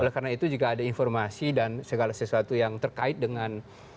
karena itu jika ada informasi dan segala sesuatu yang terkait dengan